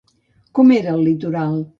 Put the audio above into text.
Com era el litoral?